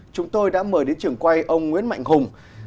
chúng tôi đã mời đến trường quay ông nguyễn mạnh hùng